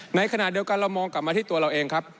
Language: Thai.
ในขณะเดียวกันเรามองกลับมาที่ตัวเราเองครับ